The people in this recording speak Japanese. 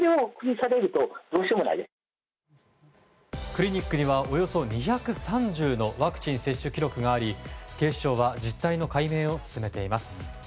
クリニックにはおよそ２３０のワクチン接種記録があり警視庁は実態の解明を進めています。